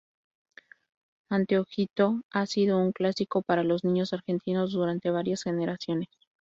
Anteojito ha sido un clásico para los niños argentinos durante varias generaciones.